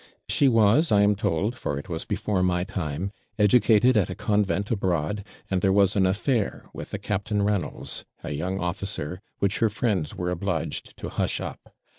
She was, I am told (for it was before my time), educated at a convent abroad; and there was an affair with a Captain Reynolds, a young officer, which her friends were obliged to hush up.